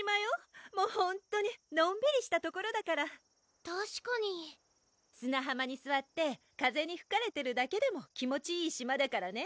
もうほんっとにのんびりした所だからたしかに砂浜にすわって風にふかれてるだけでも気持ちいい島だからね